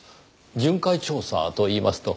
巡回調査といいますと？